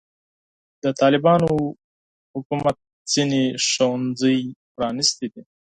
د طالبانو حکومت ځینې ښوونځي پرانستې دي.